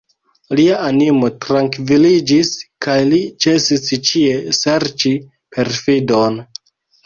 Lia animo trankviliĝis, kaj li ĉesis ĉie serĉi perfidon.